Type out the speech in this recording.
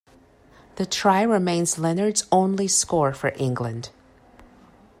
The try remains Leonard's only score for England.